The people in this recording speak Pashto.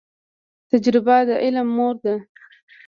تجریبه د علم مور ده